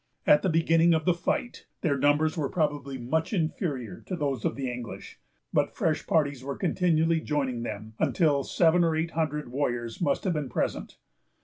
At the beginning of the fight, their numbers were probably much inferior to those of the English; but fresh parties were continually joining them, until seven or eight hundred warriors must have been present.